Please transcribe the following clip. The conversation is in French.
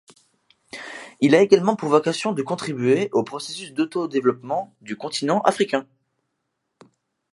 Il a également pour vocation de contribuer au processus d'auto-développement du continent africain.